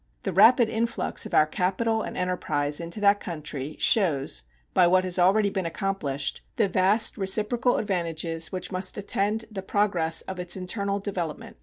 The rapid influx of our capital and enterprise into that country shows, by what has already been accomplished, the vast reciprocal advantages which must attend the progress of its internal development.